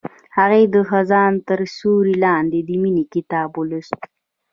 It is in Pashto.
هغې د خزان تر سیوري لاندې د مینې کتاب ولوست.